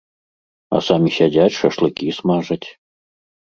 А самі сядзяць, шашлыкі смажаць.